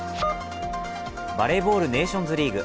バレーボール、ネーションズリーグ